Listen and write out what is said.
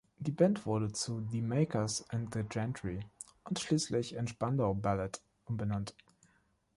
Die Band wurde zu "The Makers and the Gentry" und schließlich in "Spandau Ballet" umbenannt.